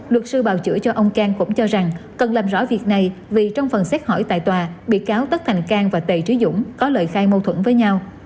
luật sư bào chữa cho ông cang cũng cho rằng cần làm rõ việc này vì trong phần xét hỏi tại tòa bị cáo tất thành cang và tề trí dũng có lời khai mâu thuẫn với nhau